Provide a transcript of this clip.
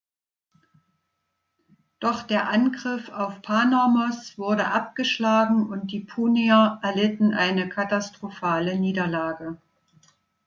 Doch der Angriff auf Panormos wurde abgeschlagen und die Punier erlitten eine katastrophale Niederlage.